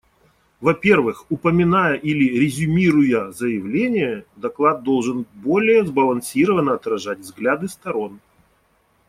Во-первых, упоминая или резюмируя заявления, доклад должен более сбалансировано отражать взгляды сторон.